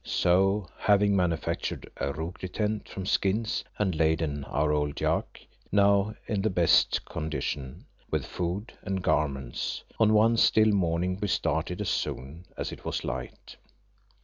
So, having manufactured a rougri tent from skins, and laden our old yak, now in the best of condition, with food and garments, on one still morning we started as soon as it was light.